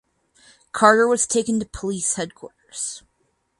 Carter was taken to Police headquarters.